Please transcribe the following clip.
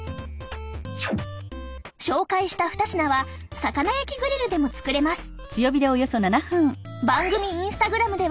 紹介した２品は魚焼きグリルでも作れます。